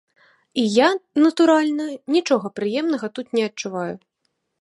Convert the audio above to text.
І я, натуральна, нічога прыемнага тут не адчуваю.